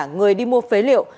người đi mua phế liệu